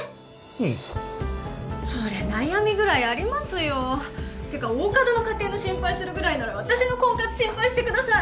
うんそりゃ悩みぐらいありますよてか大加戸の家庭の心配するぐらいなら私の婚活心配してください